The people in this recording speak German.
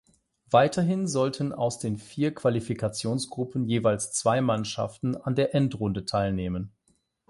Weiterhin sollten aus den vier Qualifikationsgruppen jeweils zwei Mannschaften an der Endrunde teilnehmen.